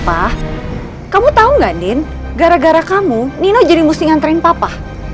pak kamu tahu nggak andin gara gara kamu nino jadi mesti ngantriin papa